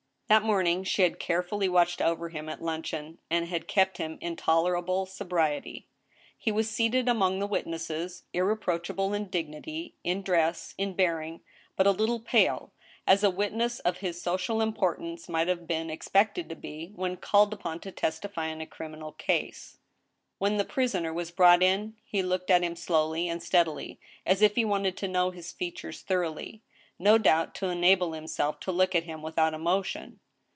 That morning she had carefully watched over him at luncheon, and had kept him in tolerable sobriety. He was seated among the witnesses, irreproachable in dignity, in dress, in bearing, but a little pale, as a witness of his social im portance might have been expected to be, when called upon to tes tify in a criminal case. When the prisoner was brought in, he looked at him slowly and steadily, as if he wanted to know his features thoroughly, no doubt to enable himself to look at him without emotion.